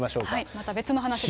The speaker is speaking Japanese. また別の話で。